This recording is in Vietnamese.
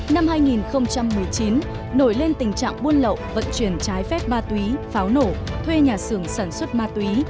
năm hai nghìn một mươi chín nổi lên tình trạng buôn lậu vận chuyển trái phép ma túy pháo nổ thuê nhà xưởng sản xuất ma túy